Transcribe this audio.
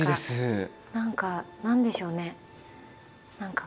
何か何でしょうね。